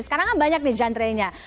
sekarang enggak banyak nih jantrenya